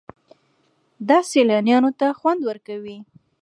دا سیلانیانو ته خوند ورکوي.